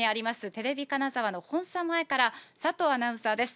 テレビ金沢の本社前から、佐藤アナウンサーです。